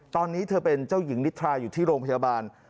ตอนนี้เธอเป็นเจ้าหญิงนิทราอยู่ที่โรงพยาบาล